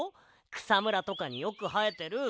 くさむらとかによくはえてる。